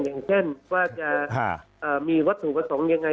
อย่างเช่นว่าจะฮ่าเอ่อมีวัตถุผสมยังไง